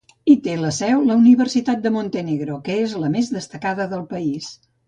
Hi té la seu la Universitat de Montenegro, que és la més destacada del país.